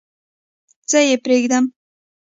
څه یې پرېږدم؟